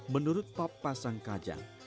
menurut pap pasang kajang